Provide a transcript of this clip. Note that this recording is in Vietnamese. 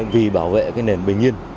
vì bảo vệ nền bình yên